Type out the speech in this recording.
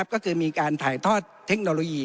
ก็คือมีการถ่ายทอดเทคโนโลยี